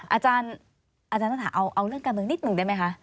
อาจารย์ท่านาเอาเรื่องการเมืองนิดหนึ่งได้ไหมคะ